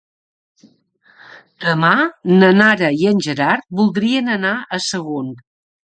Demà na Nara i en Gerard voldrien anar a Sagunt.